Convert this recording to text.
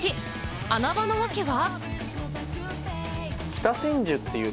穴場の訳は。